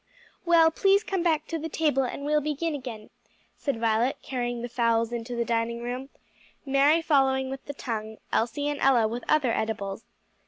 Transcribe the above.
"Well, please come back to the table and we'll begin again," said Violet, carrying the fowls into the dining room, Mary following with the tongue, Elsie and Ella with other edibles.